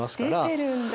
出てるんだ。